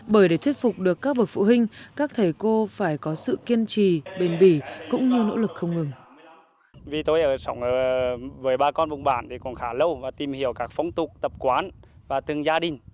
bởi để thuyết phục được các bậc phụ huynh các thầy cô phải có sự kiên trì bền bỉ cũng như nỗ lực không ngừng